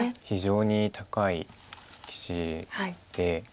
非常に高い棋士で。